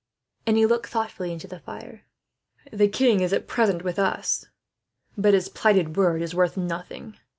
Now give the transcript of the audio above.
And he looked thoughtfully into the fire. "The king is, at present, with us; but his plighted word is worth nothing."